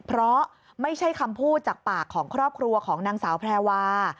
เพราะไม่ใช่คำพูดจากปากของครอบครัวของนางสาวแพรวา